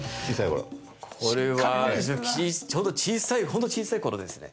これはちょうど小さいほんと小さい頃ですね。